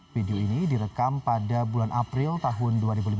video ini direkam pada bulan april tahun dua ribu lima belas